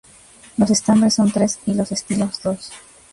Los estambres son tres, y los estilos dos.